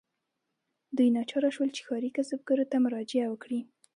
دوی ناچاره شول چې ښاري کسبګرو ته مراجعه وکړي.